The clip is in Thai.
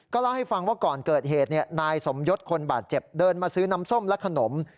เล่าให้ฟังว่าก่อนเกิดเหตุนายสมยศคนบาดเจ็บเดินมาซื้อน้ำส้มและขนม